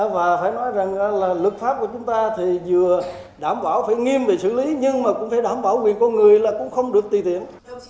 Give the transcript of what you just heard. và phải nói rằng là lực pháp của chúng ta thì vừa đảm bảo phải nghiêm để xử lý nhưng mà cũng phải đảm bảo quyền con người là cũng không được tùy tiện